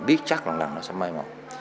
biết chắc lần lần nó sẽ mai một